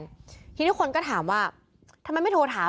ทีนี้คนก็ถามว่าทำไมไม่โทรถาม